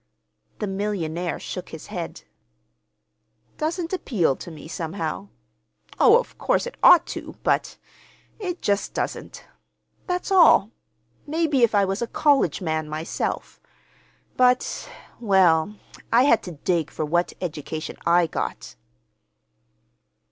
The millionaire shook his head. "Doesn't appeal to me, somehow. Oh, of course it ought to, but—it just doesn't. That's all. Maybe if I was a college man myself; but—well, I had to dig for what education I got."